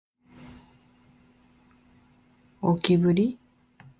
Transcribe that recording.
OK, buddy.